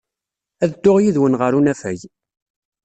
Ad dduɣ yid-wen ɣer unafag.